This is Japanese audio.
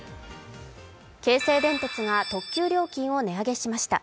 京成電鉄が特急料金を値上げしました。